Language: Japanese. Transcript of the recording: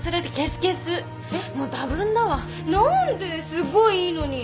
すごいいいのに。